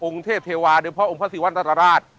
องค์เทพเทวาหรือพระองค์พระศริวัณศตรราช